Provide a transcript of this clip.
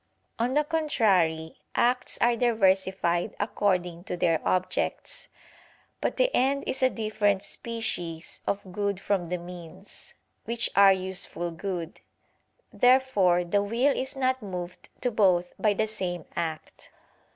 On the contrary, Acts are diversified according to their objects. But the end is a different species of good from the means, which are a useful good. Therefore the will is not moved to both by the same act.